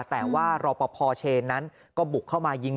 แต่ว่ารอปภเชนนั้นก็บุกเข้ามายิง